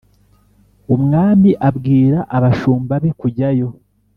umwami abwira abashumba be kujyayo